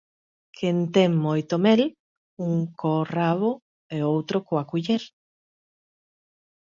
Quen ten moito mel, un co rabo e outro coa culler